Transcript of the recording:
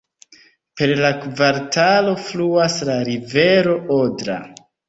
Per la kvartalo fluas la rivero Odra.